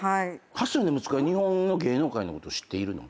８歳の息子は日本の芸能界のこと知っているの？